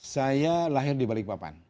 saya lahir di balikpapan